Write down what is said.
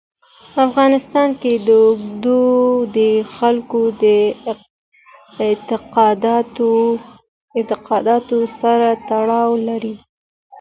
افغانستان کې واوره د خلکو د اعتقاداتو سره تړاو لري.